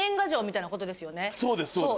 そうですそうです。